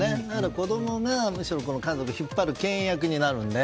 子供がむしろ家族を引っ張る牽引役になるので。